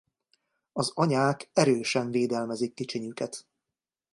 Az anyák erősen védelmezik kicsinyüket.